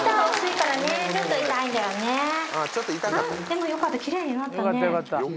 でもよかった奇麗になったね。